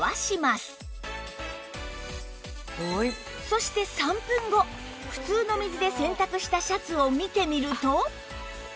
そして３分後普通の水で洗濯したシャツを見てみると